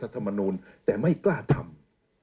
แต่ไม่กล้าทำ